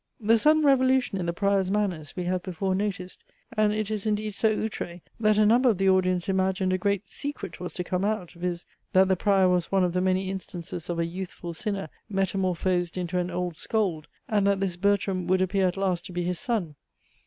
The sudden revolution in the Prior's manners we have before noticed, and it is indeed so outre, that a number of the audience imagined a great secret was to come out, viz.: that the Prior was one of the many instances of a youthful sinner metamorphosed into an old scold, and that this Bertram would appear at last to be his son.